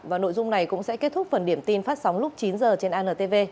và nội dung này cũng sẽ kết thúc phần điểm tin phát sóng lúc chín h trên antv